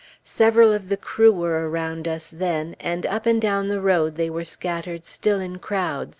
Several of the crew were around us then, and up and down the road they were scattered still in crowds.